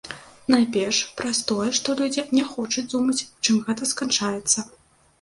Найперш праз тое, што людзі не хочуць думаць, чым гэта сканчаецца.